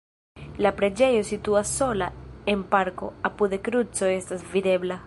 La preĝejo situas sola en parko, apude kruco estas videbla.